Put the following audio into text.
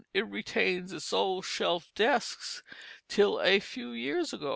It retained its old shelf desks till a few years ago.